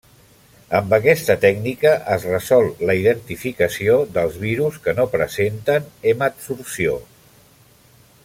Amb aquesta tècnica es resol la identificació dels virus que no presenten hemadsorció.